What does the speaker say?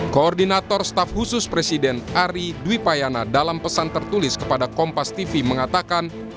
koordinator staf khusus presiden ari dwipayana dalam pesan tertulis kepada kompas tv mengatakan